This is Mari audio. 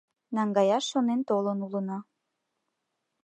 Наҥгаяш шонен толын улына.